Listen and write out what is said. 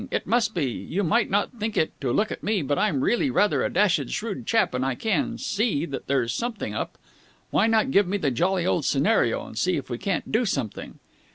It must be! You might not think it, to look at me, but I'm really rather a dashed shrewd chap, and I can see there's something up. Why not give me the jolly old scenario and see if we can't do something?"